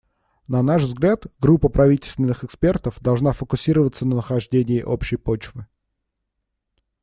На наш взгляд, группа правительственных экспертов должна фокусироваться на нахождении общей почвы.